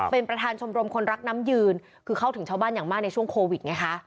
เป็นประธานชมรมคนรักน้ำยืนคือเข้าถึงชาวบ้านอย่างมากในช่วงโควิดไงคะ